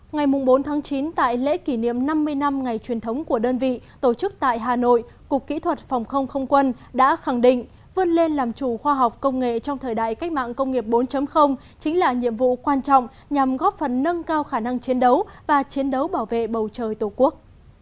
ngày bốn chín tại lễ kỷ niệm năm mươi năm ngày truyền thống của đơn vị tổ chức tại hà nội cục kỹ thuật phòng không không quân đã khẳng định vươn lên làm chủ khoa học công nghệ trong thời đại cách mạng công nghiệp bốn chính là nhiệm vụ quan trọng nhằm góp phần nâng cao khả năng chiến đấu và chiến đấu bảo vệ bầu trời tổ quốc